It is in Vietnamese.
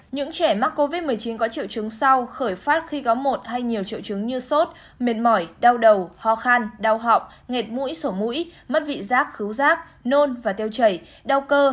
những trẻ mắc covid một mươi chín có triệu chứng sau khởi phát khi có một hay nhiều triệu chứng như sốt mệt mỏi đau đầu ho khan đau họng ngệt mũi sổ mũi mất vị giác khứu rác nôn và tiêu chảy đau cơ